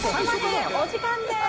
お時間です。